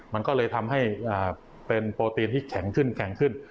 มันก็เลยทำให้เป็นโปรตีนที่แข็งขึ้นแข็งขึ้น